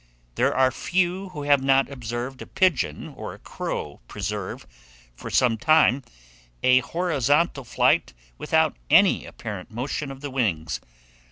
There are few who have not observed a pigeon or a crow preserve, for some time, a horizontal flight without any apparent motion of the wings.